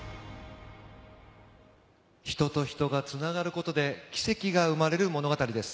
人と人が繋がることで奇跡が生まれる物語です。